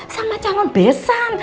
sama calon besan